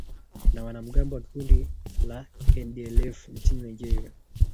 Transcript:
na wanamgambo wa kundi la ndlf nchini nigeria